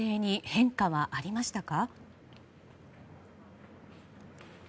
変化はありました。